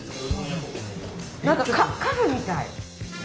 何かカフェみたい。